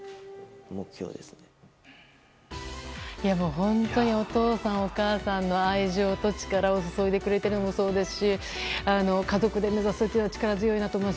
本当にお父さん、お母さんの愛情と力を注いでくれてるのもそうですし家族で目指すというのは力強いと思います。